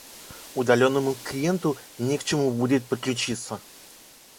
Удаленному клиенту не к чему будет подключиться